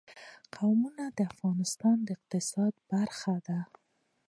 قومونه د افغانستان د اقتصاد برخه ده.